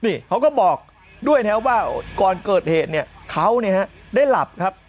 นี่เขาก็บอกด้วยนะครับว่าก่อนเกิดเหตุเนี่ยเขาได้หลับครับ